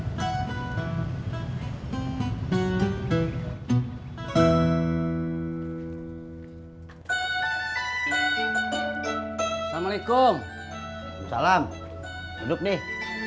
assalamualaikum salam duduk nih